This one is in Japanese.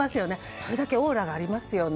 それだけオーラがありますよね。